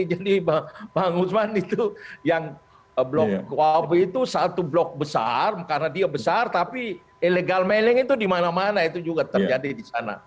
jadi pak usman itu yang blok kuap itu satu blok besar karena dia besar tapi illegal mailing itu dimana mana itu juga terjadi di sana